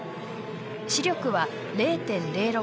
視力は０．０６。